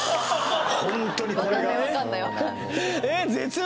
ホントにこれがえ